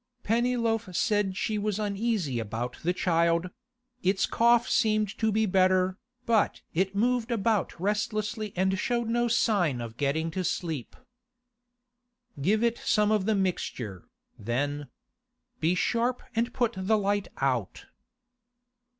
Pennyloaf said she was uneasy about the child; its cough seemed to be better, but it moved about restlessly and showed no sign of getting to sleep. 'Give it some of the mixture, then. Be sharp and put the light out.